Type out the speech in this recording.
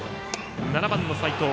７番の齋藤。